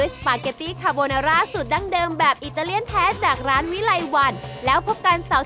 สวัสดีครับ